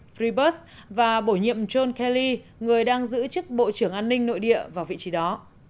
freebus và bổ nhiệm john kaly người đang giữ chức bộ trưởng an ninh nội địa vào vị trí đó